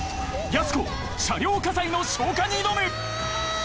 ［やす子車両火災の消火に挑む！］